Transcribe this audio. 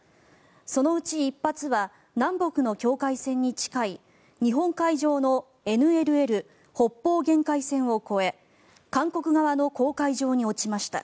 そのうち１発は南北の境界線に近い日本海上のＮＬＬ・北方限界線を越え韓国側の公海上に落ちました。